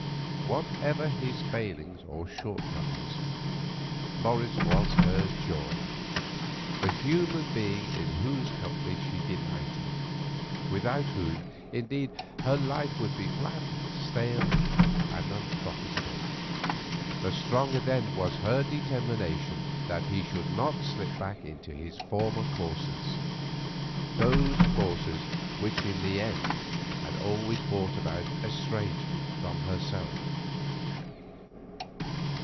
Whatever his failings or shortcomings, Morris was her joy, the human being in whose company she delighted; without whom, indeed, her life would be flat, stale, and unprofitable. The stronger then was her determination that he should not slip back into his former courses; those courses which in the end had always brought about estrangement from herself.